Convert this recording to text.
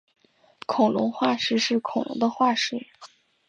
恐龙化石是恐龙的化石。